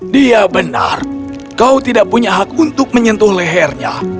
dia benar kau tidak punya hak untuk menyentuh lehernya